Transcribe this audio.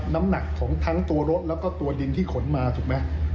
น้ำหนักของทั้งตัวรถแล้วก็ตัวดินที่ขนมาถูกไหม